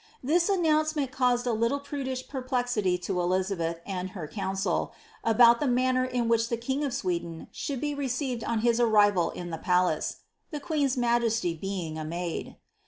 This an nouncement caused a little prudish perplexity to Elizabeth and her council, about the manner in which the king of Sweden should be re ceived on his arrival in the palace, *^ the queen^s majesty being a maid.